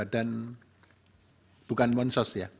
dan bukan mon sos ya